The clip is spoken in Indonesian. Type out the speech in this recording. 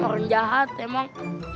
orang jahat emang